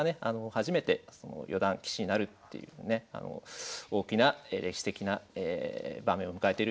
初めて四段棋士になるっていうね大きな歴史的な場面を迎えてるところですね。